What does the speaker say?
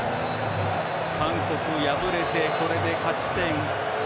韓国敗れてこれで勝ち点０。